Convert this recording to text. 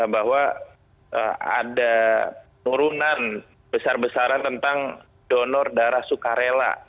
bahwa ada turunan besar besaran tentang donor darah sukarela